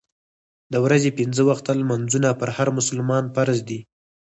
د ورځې پنځه وخته لمونځونه پر هر مسلمان فرض دي.